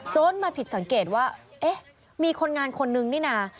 มาผิดสังเกตว่าเอ๊ะมีคนงานคนนึงนี่นะ